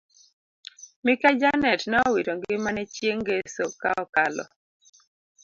Mikai janet neowito ngimane chieng ngeso kaokalo